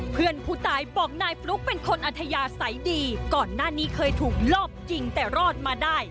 เพื่อนผู้ตายบอกนายฟลุ๊กเป็นคนอัธยาศัยดีก่อนหน้านี้เคยถูกลอบยิงแต่รอดมาได้